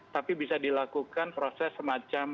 tapi bisa dilakukan proses semacam